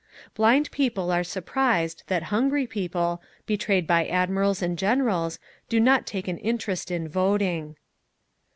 "Blind people are surprised that hungry people, betrayed by admirals and generals, do not take an interest in voting.